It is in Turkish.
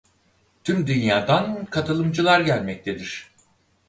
Tüm dünyadan katılımcılar gelmektedir.